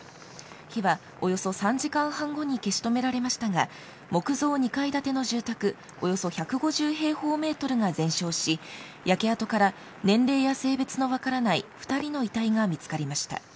火はおよそ３時間半後に消し止められましたが木造２階建ての住宅およそ１５０平方メートルが全焼し焼け跡から年齢や性別が分からない２人の遺体が見つかりました。